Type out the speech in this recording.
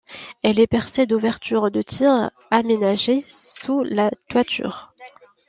Elle est percée d'ouvertures de tir aménagées sous la toiture.